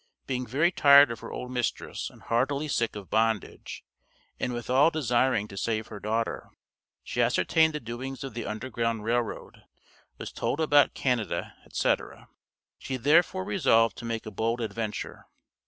Being very tired of her old mistress and heartily sick of bondage, and withal desiring to save her daughter, she ascertained the doings of the Underground Rail Road, was told about Canada, &c. She therefore resolved to make a bold adventure.